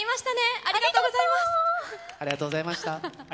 ありがとうございます。